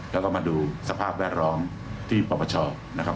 แล้วก็มาดูสภาพแวดร้องที่ปรับประชานะครับ